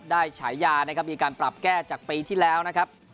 ฉายานะครับมีการปรับแก้จากปีที่แล้วนะครับ